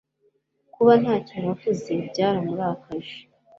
Kuba ntacyo navuze byaramurakaje